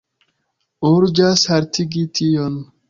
Urĝas haltigi tion.